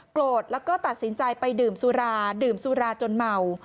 แล้วก็ตัดสินใจไปดื่มสุราดื่มสุราจนเมา